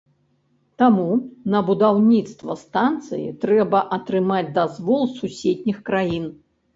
Таму на будаўніцтва станцыі трэба атрымаць дазвол суседніх краін.